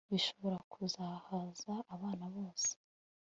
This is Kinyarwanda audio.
bishobora kuzahaza abana bose